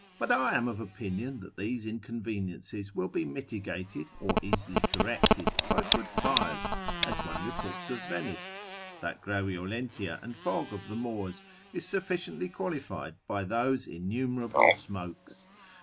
But I am of opinion that these inconveniences will be mitigated, or easily corrected by good fires, as one reports of Venice, that graveolentia and fog of the moors is sufficiently qualified by those innumerable smokes.